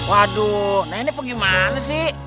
waduh nenek apa gimana sih